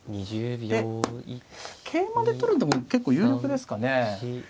で桂馬で取るのも結構有力ですかね。